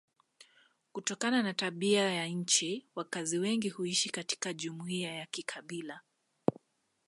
Kutokana na tabia ya nchi wakazi wengi huishi katika jumuiya za kikabila.